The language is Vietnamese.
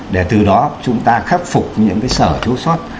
để từ đó chúng ta khắc phục những cái sở chú sót